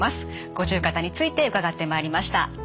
五十肩について伺ってまいりました。